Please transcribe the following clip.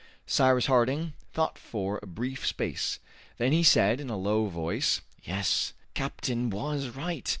Cyrus Harding thought for a brief space. Then he said in a low voice, "Yes! the captain was right!